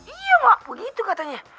iya emak begitu katanya